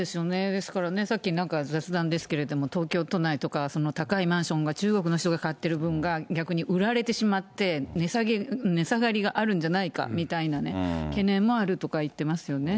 ですからね、さっき、なんか雑談ですけれども、東京都内とか、高いマンションが中国の人が買ってる分が、逆に売られてしまって、値下がりがあるんじゃないかみたいな懸念もあるとか言ってますよね。